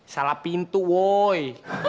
salah pintu woy